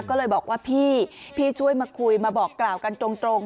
ก็เลยบอกว่าพี่พี่ช่วยมาคุยมาบอกกล่าวกันตรง